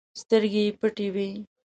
سترګې یې پټې وي.